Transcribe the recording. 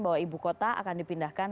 bahwa ibu kota akan dipindahkan